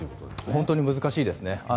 本当に難しいです。